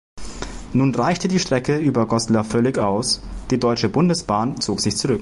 Nun reichte die Strecke über Goslar völlig aus, die Deutsche Bundesbahn zog sich zurück.